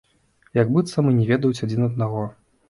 Як быццам і не ведаюць адзін аднаго.